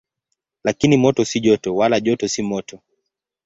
Lakini moto si joto, wala joto si moto.